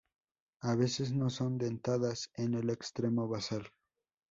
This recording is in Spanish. A veces no son dentadas en el extremo basal.